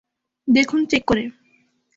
দেখুন চেক করে!